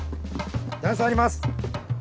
段差あります。